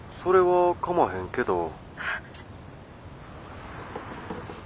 それは構へんけど。